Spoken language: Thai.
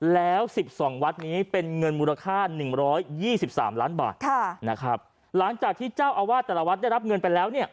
แล้ว๑๒วัฒน์นี้เป็นเงินมูลค่า๑๒๓ล้านบาทหลังจากที่เจ้าอาวาสแต่ละวัฒน์ได้รับเงินไปแล้ว